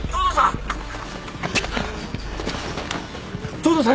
東堂さん！